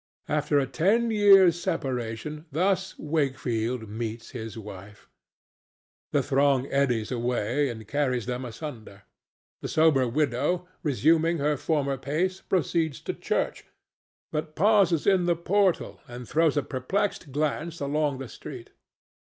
After a ten years' separation thus Wakefield meets his wife. The throng eddies away and carries them asunder. The sober widow, resuming her former pace, proceeds to church, but pauses in the portal and throws a perplexed glance along the street.